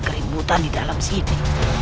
kerimutan di dalam sini